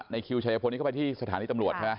ในคลิปชายพบนี้เขาไปที่สถานีตำรวจ